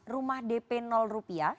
rumah dp rupiah